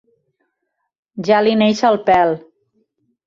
Ja li neix el pèl.